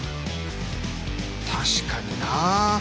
確かにな。